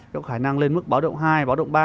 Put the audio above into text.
có khả năng lên mức báo động hai báo động ba